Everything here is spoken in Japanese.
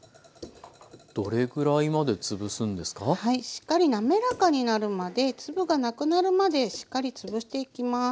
しっかり滑らかになるまで粒がなくなるまでしっかりつぶしていきます。